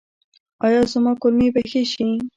ایا زما کولمې به ښې شي؟